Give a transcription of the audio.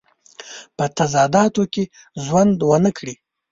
په تضاداتو کې ژوند ونه کړي.